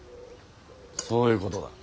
そういうことだ。